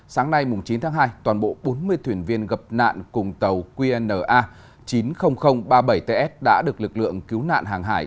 sáng nay chín tháng hai toàn bộ bốn mươi thuyền viên gặp nạn cùng tàu qnna chín mươi nghìn ba mươi bảy ts đã được lực lượng cứu nạn hàng hải